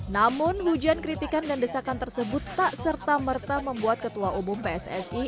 namun hujan kritikan dan desakan tersebut tak serta merta membuat ketua umum pssi